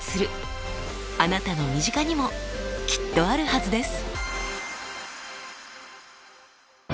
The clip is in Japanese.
あなたの身近にもきっとあるはずです！